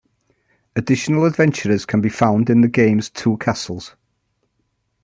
Additional adventurers can be found in the game's two castles.